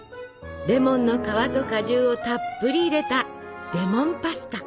レモンの皮と果汁をたっぷり入れたレモンパスタ！